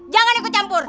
jangan ikut campur